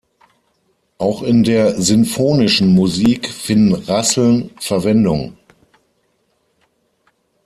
Auch in der sinfonischen Musik finden Rasseln Verwendung.